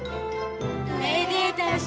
めでたし！